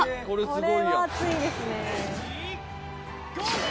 これはアツいですね。